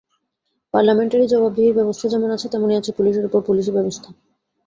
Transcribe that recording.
Parliamentary জবাবদিহির ব্যবস্থা যেমন আছে, তেমনি আছে পুলিশের ওপর পুলিশি ব্যবস্থা।